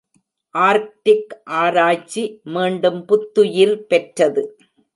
Arctic ஆராய்ச்சி மீண்டும் புத்துயிர் பெற்றது.